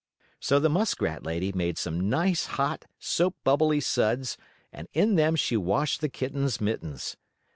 So the muskrat lady made some nice, hot, soap bubbily suds and in them she washed the kitten's mittens.